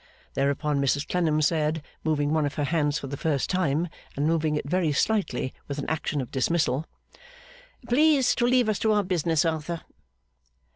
Thereupon Mrs Clennam said, moving one of her hands for the first time, and moving it very slightly with an action of dismissal: 'Please to leave us to our business, Arthur.